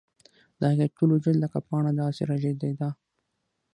د هغې ټول وجود لکه پاڼه داسې رېږدېده